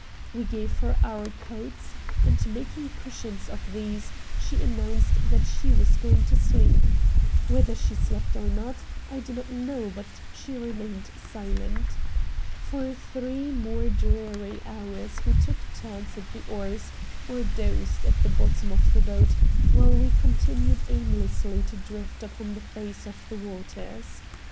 We gave her our coats, and, making cushions of these, she announced that she was going to sleep. Whether she slept or not, I do not know, but she remained silent. For three more dreary hours we took turns at the oars or dozed at the bottom of the boat while we continued aimlessly to drift upon the face of the waters.